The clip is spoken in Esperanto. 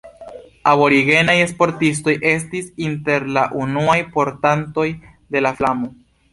Aborigenaj sportistoj estis inter la unuaj portantoj de la flamo.